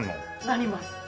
なります。